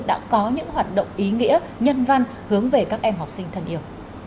đã có những hoạt động ý nghĩa nhân văn hướng về các em học sinh thân yêu